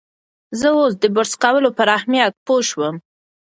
زه اوس د برس کولو پر اهمیت پوه شوم.